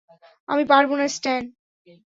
আমি পারবো না, স্ট্যান।